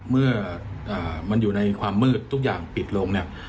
เมื่อมันอยู่ในความมืดทุกอย่างปิดลงเนี่ย